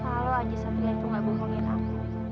kalo aja satria itu gak bohongin aku